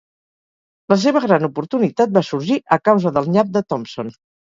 La seva gran oportunitat va sorgir a causa del nyap de Thompson.